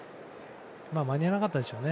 間に合わなかったでしょうね